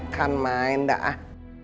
kan main dah